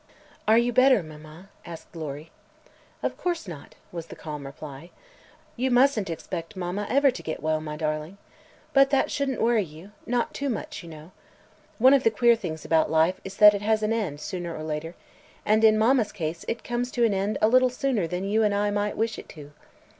"Are you better, mamma?" asked Lory. "Of course not," was the calm reply. "You mustn't expect mamma ever to get well, my darling. But that shouldn't worry you not too much, you know. One of the queer things about life is that it has an end, sooner or later, and in mamma's case it comes to an end a little sooner than you and I might wish it to."